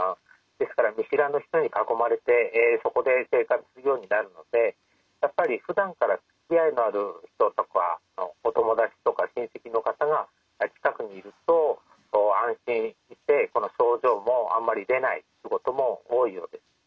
ですから見知らぬ人に囲まれてそこで生活するようになるのでやっぱりふだんからつきあいのある人とかお友達とか親戚の方が近くにいると安心してこの症状もあんまり出ないってことも多いようです。